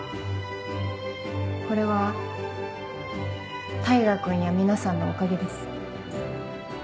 これは大牙君や皆さんのおかげです。